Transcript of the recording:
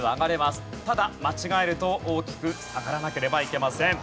ただ間違えると大きく下がらなければいけません。